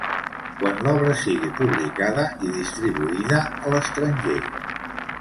Que l'obra sigui publicada i distribuïda a l'estranger.